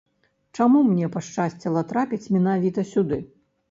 Чаму мне пашчасціла трапіць менавіта сюды?